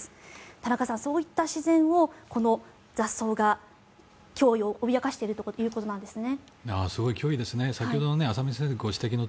田中さん、そういった自然をこの雑草が脅かしているということですね。